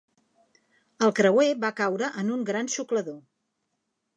El creuer va caure en un gran xuclador.